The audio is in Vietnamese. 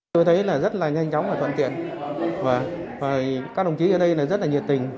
tôi thấy là rất là nhanh chóng và thuận tiện và các đồng chí ở đây rất là nhiệt tình